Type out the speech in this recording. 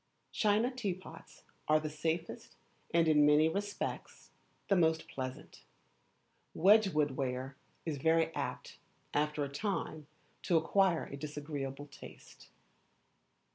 China teapots are the safest, and, in many respects, the most pleasant. Wedgwood ware is very apt, after a time, to acquire a disagreeable taste.